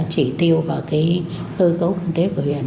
chỉ tiêu và cơ cấu kinh tế của viện